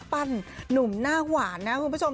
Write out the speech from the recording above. พระเอกจะจะจะหีคนแรก